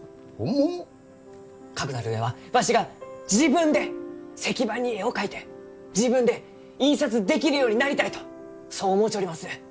かくなる上はわしが自分で石版に絵を描いて自分で印刷できるようになりたいとそう思うちょります。